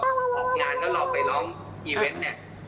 แต่พอออกงานแล้วเราไปร้องอีเวนต์